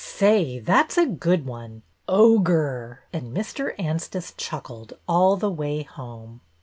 " Say, that 's a good one ! Ogre !" and Mr. Anstice chuckled all the way home.